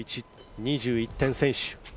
２１点先取。